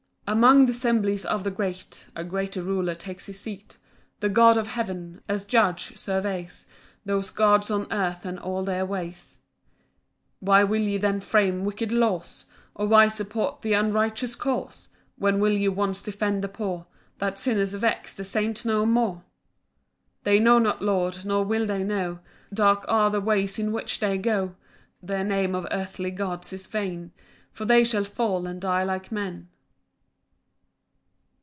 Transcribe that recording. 1 Among th' assemblies of the great, A greater Ruler takes his seat; The God of heaven, as Judge, surveys Those gods on earth and all their ways. 2 Why will ye then frame wicked laws? Or why support th' unrighteous cause? When will ye once defend the poor, That sinners vex the saints no more? 3 They know not, Lord, nor will they know, Dark are the ways in which they go; Their name of earthly gods is vain, For they shall fall and die like men.